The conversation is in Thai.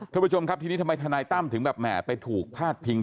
ท่านผู้ชมครับทีนี้ทำไมทนายตั้มถึงแบบแหมไปถูกพาดพิง